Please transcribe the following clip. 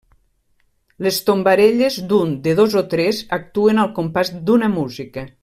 Les tombarelles, d’un, de dos o tres, actuen al compàs d’una música.